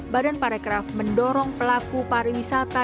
badan parekraf mendorong pelaku pariwisata